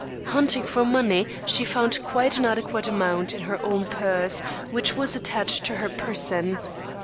Hunting for money, she found quite an adequate amount in her own purse, which was attached to her person.